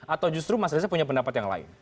atau justru mas reza punya pendapat yang lain